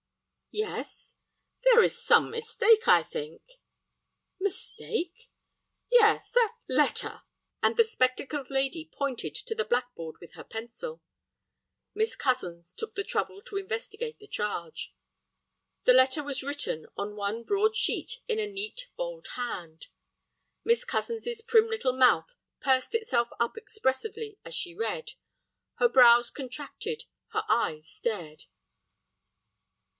"Yes." "There is some mistake—I think." "Mistake?" "Yes, that letter"—and the spectacled lady pointed to the black board with her pencil. Miss Cozens took the trouble to investigate the charge. The letter was written on one broad sheet in a neat, bold hand. Miss Cozens's prim little mouth pursed itself up expressively as she read; her brows contracted, her eyes stared.